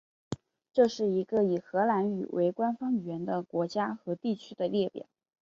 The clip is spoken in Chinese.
这是一个以荷兰语为官方语言的国家和地区的列表。